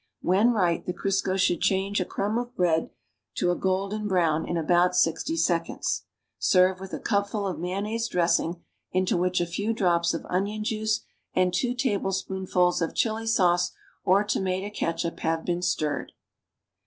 When right, the Crisco should change a crumb of bread to a golden brown in aliout (JO seconds. Serve with a cupful of mayonnaise dressing into which a few drops of onion juice and two tablespoonfuls of chili sauce or tomato catsup luive been stirred.